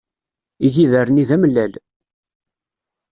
Igider-nni d amellal.